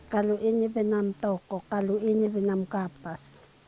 kalau ini benang toko kalau ini benang kapas